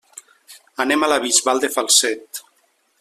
Anem a la Bisbal de Falset.